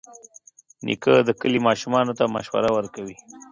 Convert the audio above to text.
نیکه د کلي ماشومانو ته مشوره ورکوي.